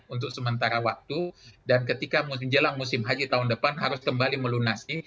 untuk sementara waktu dan ketika menjelang musim haji tahun depan harus kembali melunasi